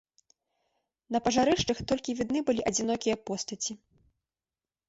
На пажарышчах толькі відны былі адзінокія постаці.